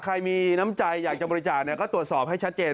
ใครมีน้ำใจอยากจะบริจาคก็ตรวจสอบให้ชัดเจน